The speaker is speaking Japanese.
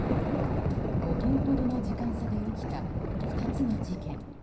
５分ほどの時間差で起きた２つの事件。